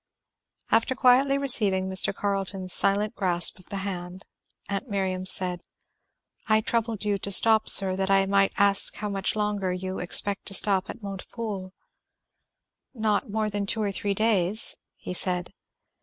After quietly receiving Mr. Carleton's silent grasp of the hand, aunt Miriam said, "I troubled you to stop, sir, that I might ask you how much longer you expect to stop at Montepoole." Not more than two or three days, he said.